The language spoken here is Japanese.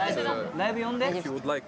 ライブ呼んで。